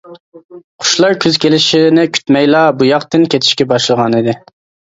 قۇشلار كۈز كېلىشىنى كۈتمەيلا، بۇ ياقتىن كېتىشكە باشلىغانىدى.